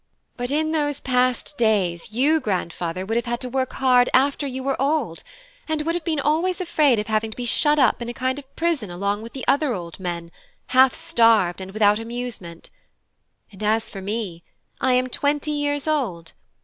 But in those past days you, grandfather, would have had to work hard after you were old; and would have been always afraid of having to be shut up in a kind of prison along with other old men, half starved and without amusement. And as for me, I am twenty years old.